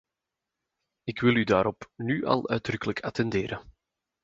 Ik wil u daarop nu al uitdrukkelijk attenderen.